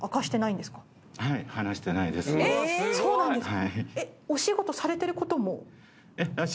そうなんですね。